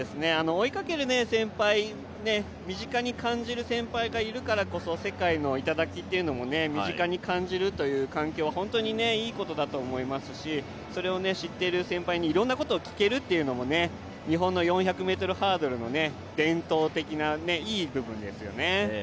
追いかける先輩、身近に感じる先輩がいるからこそ、世界の頂というのも身近に感じる環境は本当にいいことだと思いますしそれを知っている先輩にいろんなことを聞けるというのも日本の４００ｍハードルの伝統的ないい部分ですよね。